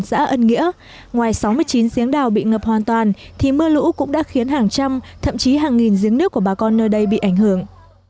xã ân nghĩa ngoài sáu mươi chín giếng đào bị ngập hoàn toàn thì mưa lũ cũng đã khiến hàng trăm thậm chí hàng nghìn giếng nước của bà con nơi đây bị ảnh hưởng